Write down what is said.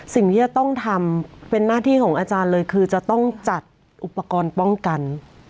สิ่งที่จะต้องทำเป็นหน้าที่ของอาจารย์เลยคือจะต้องจัดอุปกรณ์ป้องกัน